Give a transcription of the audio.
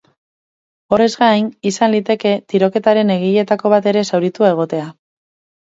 Horrez gain, izan liteke tiroketaren egileetako bat ere zauritua egotea.